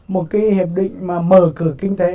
một cái hiệp định mà mở cửa kinh tế